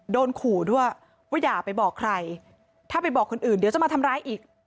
โดนขู่ด้วยว่าอย่าไปบอกใครถ้าไปบอกคนอื่นเดี๋ยวจะมาทำร้ายอีก